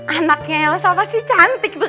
anaknya elsa pasti cantik tuh